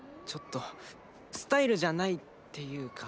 スタイルじゃないっていうか。